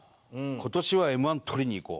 「今年はＭ−１取りにいこう」